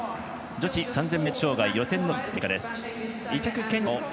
女子３０００ｍ障害予選の第２組の結果です。